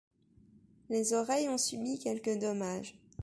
Les oreilles ont subi quelques dommages.